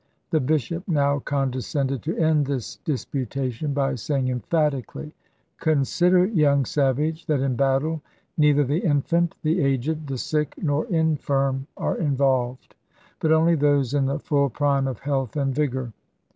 The bishop now condescended to end this disputation by saying emphatically, "Consider, young savage, that in battle neither the infant, the aged, the sick, nor infirm are involved, but only those in the full prime of health and vigour."